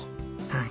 はい。